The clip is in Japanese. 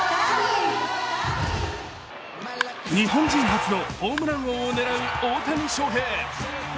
日本人初のホームラン王を狙う大谷翔平。